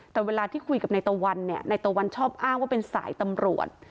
แต่เวลาที่คุยกับนายตะวันเนี่ยนายตะวันชอบอ้างว่าเป็นสายตำรวจ